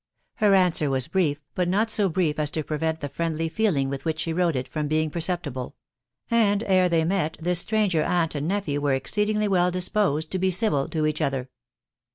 Her answer was brief, but not so brief as to prevent the friendly feeling with which she wrote it from being perceptible ; and, ere they met this stranger aunt and nephew were exceedingly well disposed to be civil to each other.